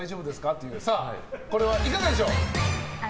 これはいかがでしょう？